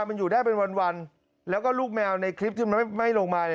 มันอยู่ได้เป็นวันแล้วก็ลูกแมวในคลิปที่มันไม่ลงมา